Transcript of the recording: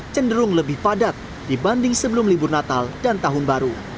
cenderung lebih padat dibanding sebelum libur natal dan tahun baru